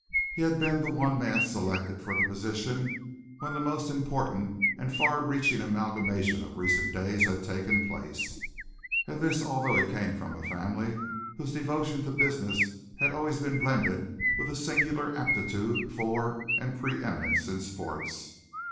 He had been the one man selected for the position when the most important and far reaching amalgamation of recent days had taken place. And this although he came of a family whose devotion to business had always been blended with a singular aptitude for and preëminence in sports.